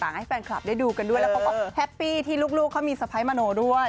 ให้แฟนคลับได้ดูกันด้วยแล้วเขาก็แฮปปี้ที่ลูกเขามีสะพ้ายมโนด้วย